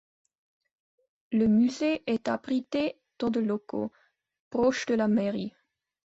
Le musée est abrité dans des locaux proches de la mairie.